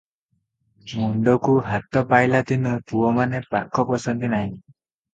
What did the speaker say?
ମୁଣ୍ତକୁ ହାତ ପାଇଲା ଦିନୁ ପୁଅମାନେ ପାଖ ପଶନ୍ତି ନାହିଁ ।